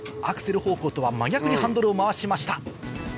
アクセル方向とは真逆にハンドルを回しました。